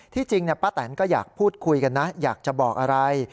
จริงป้าแตนก็อยากพูดคุยกันนะอยากจะบอกอะไร